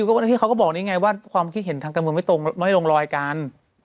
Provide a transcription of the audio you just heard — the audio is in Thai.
ก็ที่เขาก็บอกนี่ไงว่าความคิดเห็นทางการเมืองไม่ตรงไม่ลงรอยกัน